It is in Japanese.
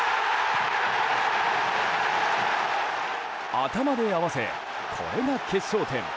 頭で合わせ、これが決勝点。